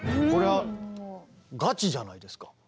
こりゃあガチじゃないですか。